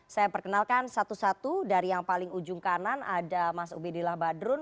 saya perkenalkan satu satu dari yang paling ujung kanan ada mas ubedillah badrun